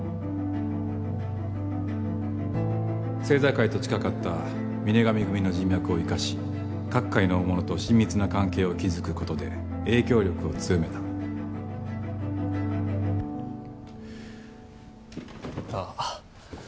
政財界と近かった峰上組の人脈を生かし各界の大物と親密な関係を築くことで影響力を強めたああ。